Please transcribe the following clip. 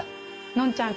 のんちゃん